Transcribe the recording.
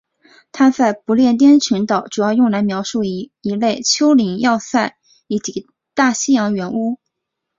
它在不列颠群岛主要用来描述一类丘陵要塞以及大西洋圆屋。